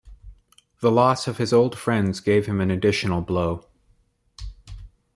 The loss of his old friends gave him an additional blow.